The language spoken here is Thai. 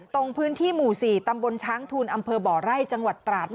ตรงพื้นที่หมู่๔ตำบลช้างทูลอำเภอบ่อไร่จังหวัดตราด